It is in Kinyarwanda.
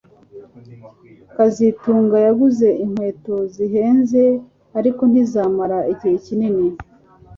kazitunga yaguze inkweto zihenze ariko ntizimara igihe kinini